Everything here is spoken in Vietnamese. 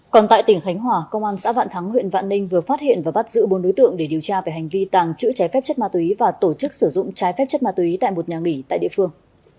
còn tại tỉnh khánh hòa công an xã vạn thắng huyện vạn ninh vừa phát hiện và bắt giữ bốn đối tượng để điều tra về hành vi tàng trữ trái phép chất ma túy và tổ chức sử dụng trái phép chất ma túy tại một nhà nghỉ tại địa phương